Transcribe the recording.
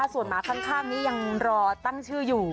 ส่วนหมาข้างนี้ยังรอตั้งชื่ออยู่